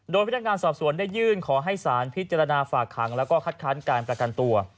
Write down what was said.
โดยพนักงานสอบสวนได้ยื่นขอให้สารพิจารณาฝากขังแล้วก็คัดค้านการประกันตัว